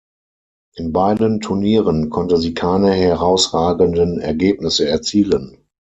In beiden Turnieren konnte sie keine herausragenden Ergebnisse erzielen.